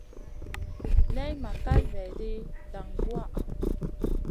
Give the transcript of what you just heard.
Nan may kal vaidi dan duwaha.